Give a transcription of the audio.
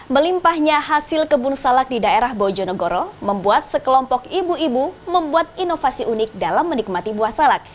melimpahnya hasil kebun salak di daerah bojonegoro membuat sekelompok ibu ibu membuat inovasi unik dalam menikmati buah salak